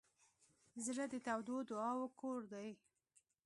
زړه د تودو دعاوو کور دی.